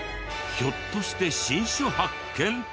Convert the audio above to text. ひょっとして新種発見！？